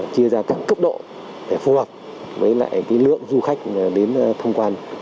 chia ra các cấp độ để phối hợp với lượng du khách đến tham quan